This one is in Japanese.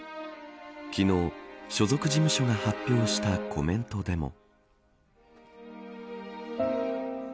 昨日、所属事務所が発表したコメントでも。